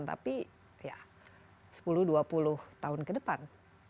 tapi ya sepuluh dua puluh tahun ke depan